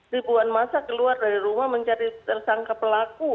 ribuan masa keluar dari rumah mencari tersangka pelaku